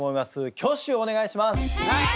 挙手をお願いします。